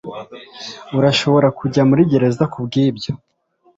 urashobora kujya muri gereza kubwibyo